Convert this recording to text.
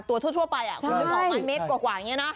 ตัวทั่วไปอ่ะมันออกมาเมตรกว่างี้นะ